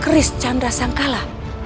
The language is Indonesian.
kris chandra sangkala